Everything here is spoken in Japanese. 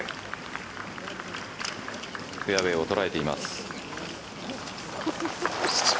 フェアウエーを捉えています。